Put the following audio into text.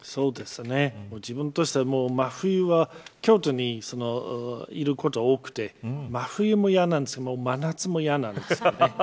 自分としては真冬は京都にいることが多くて真冬も嫌なんですが真夏も嫌なんです。